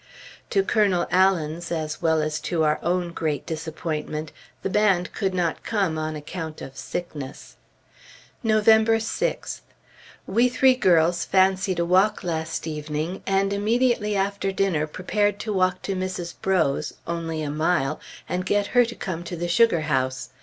To Colonel Allen's, as well as to our own great disappointment, the band could not come on account of sickness. November 6th. We three girls fancied a walk last evening, and immediately after dinner prepared to walk to Mrs. Breaux's, only a mile, and get her to come to the sugar house.